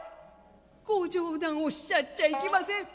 「ご冗談をおっしゃっちゃいけません。